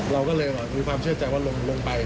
เราก็เลยมีความเชื่อใจว่าลงไป